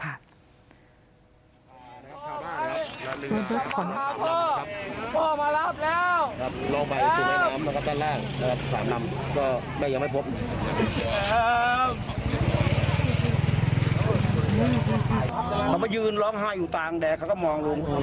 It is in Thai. ขาวทวมแบบเนี้ยน่ะเห็นเขายืดร้องไห้ตาแดงอยู่